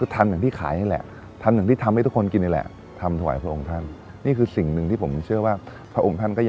ทานอย่างที่ขายนี่แหละทานอย่างที่ทำให้ทุกคนกินนี่แหละ